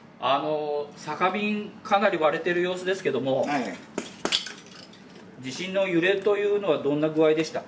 酒瓶かなり割れている様子ですけれども、地震の揺れというのはどんな具合でした？